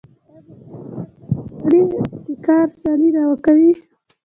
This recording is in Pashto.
ایا مصنوعي ځیرکتیا د انساني ابتکار سیالي نه کوي؟